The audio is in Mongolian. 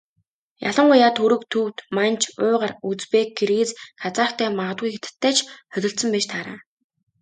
Ялангуяа Түрэг, Төвөд, Манж, Уйгар, Узбек, Киргиз, Казахтай магадгүй Хятадтай ч холилдсон байж таараа.